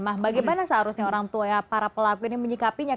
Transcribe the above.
ma bagaimana seharusnya orang tua ya para pelakunya menyikapinya